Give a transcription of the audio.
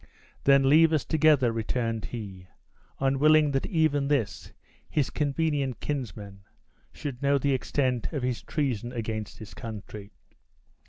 "Then leave us together," returned he, unwilling that even this, his convenient kinsman, should know the extent of his treason against his country.